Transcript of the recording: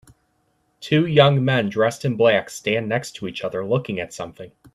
Two young men dressed in black stand next to each other looking at something.